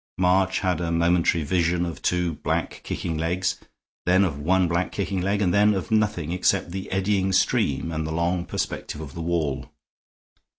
March had a momentary vision of two black kicking legs; then of one black kicking leg; and then of nothing except the eddying stream and the long perspective of the wall.